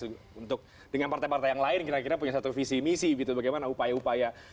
untuk dengan partai partai yang lain kira kira punya satu visi misi gitu bagaimana upaya upaya